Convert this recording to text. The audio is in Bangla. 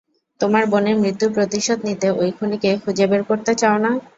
তোমার বোনের মৃত্যুর প্রতিশোধ নিতে ওই খুনিকে খুঁজে বের করতে চাও না?